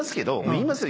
言いますよ